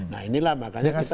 nah inilah makanya kita